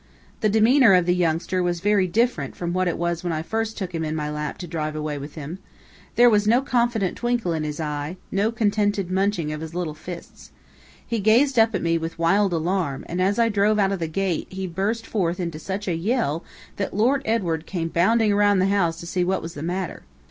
The demeanor of the youngster was very different from what it was when I first took him in my lap to drive away with him. There was no confiding twinkle in his eye, no contented munching of his little fists. He gazed up at me with wild alarm, and as I drove out of the gate, he burst forth into such a yell that Lord Edward came bounding around the house to see what was the matter.